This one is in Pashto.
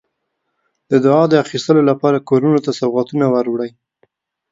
د دعا د اخیستلو لپاره کورونو ته سوغاتونه وروړي.